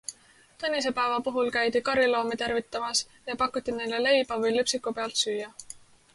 Tõnisepäeva puhul käidi kariloomi tervitamas ja pakuti neile leiba või lüpsiku pealt süüa.